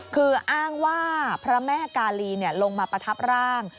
คืออ้างว่าพระแม่กาลีลงมาประทับร่าง